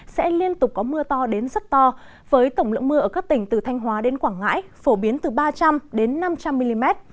sẽ liên tục có mưa to đến rất to với tổng lượng mưa ở các tỉnh từ thanh hóa đến quảng ngãi phổ biến từ ba trăm linh đến năm trăm linh mm